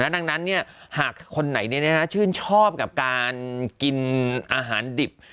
ดังนั้นเนี่ยหากคนไหนเนี่ยชื่นชอบกับการกินอาหารดิบ